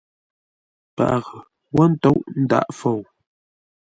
Paghʼə wó ntôʼ, ndǎghʼ fou.